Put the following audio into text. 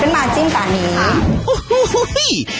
เป็นมาจิ้มตอนนี้